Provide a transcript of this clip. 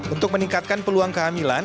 untuk meningkatkan peluang kehamilan